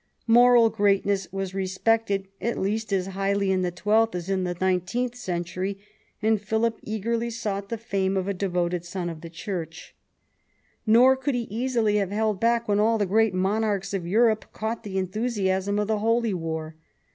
Moral greatness was respected at least as highly in the twelfth as it is in the nineteenth century, and Philip eagerly sought the fame of a devoted son of the Church. Nor could he easily have held back when all the great monarchs of Europe caught the enthusiasm of the Holy War.